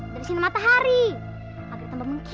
terima kasih ibu bu